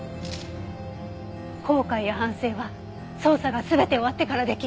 後悔や反省は捜査が全て終わってから出来る。